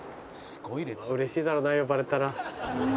うれしいだろうな呼ばれたら。